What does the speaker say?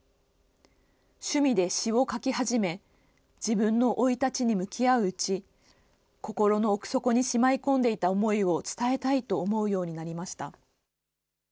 趣味で詩を書き始め、自分の生い立ちに向き合ううち、心の奥底にしまいこんでいた思いを伝えたいと思うようになりました。